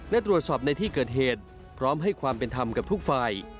และตรวจสอบในที่เกิดเหตุพร้อมให้ความเป็นธรรมกับทุกฝ่าย